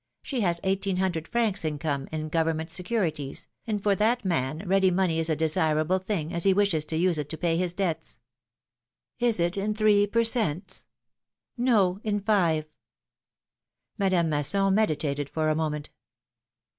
She has eighteen hun dred francs income in government securities, and for that man ready money is a desirable thing, as he wishes to use it to pay his debts ^^Is it in three per cents. ^^No, in five.^' Madame Masson meditated for a moment.